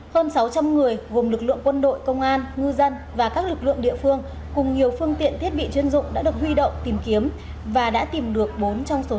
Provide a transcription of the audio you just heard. hơn sáu trăm linh người gồm lực lượng quân đội công an ngư dân và các lực lượng địa phương cùng nhiều phương tiện thiết bị chuyên dụng đã được huy động tìm kiếm và đã tìm được bốn trong số năm thi thể nạn nhân